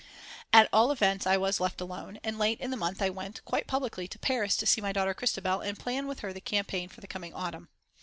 At all events I was left alone, and late in the month I went, quite publicly, to Paris, to see my daughter Christabel and plan with her the campaign for the coming autumn.